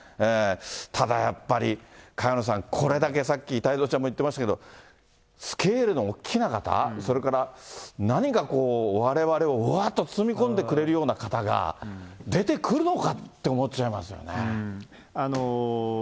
ただやっぱり、萱野さん、これだけさっき、太蔵ちゃんも言ってましたけど、スケールのおっきな方、それから何かこう、われわれをうわーっと包み込んでくれるような方が、出てくるのかって思っちゃいますよね。